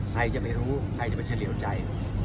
ใครจะไม่รู้ใครจะไปเฉลี่ยวใจ